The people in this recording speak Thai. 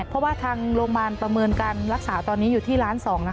เพราะว่าทางโรงพยาบาลประเมินการรักษาตอนนี้อยู่ที่ล้าน๒